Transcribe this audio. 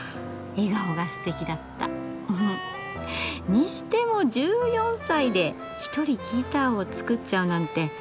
にしても１４歳で独りギターを作っちゃうなんて。